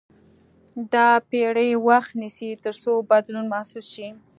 دا پېړۍ وخت نیسي تر څو بدلون محسوس شي.